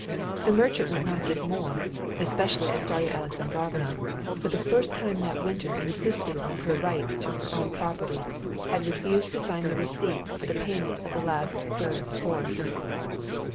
The merchant would not give more, especially as Darya Alexandrovna, for the first time that winter insisting on her right to her own property, had refused to sign the receipt for the payment of the last third of the forest.